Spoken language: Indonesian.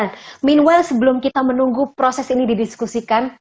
namun sebelum kita menunggu proses ini didiskusikan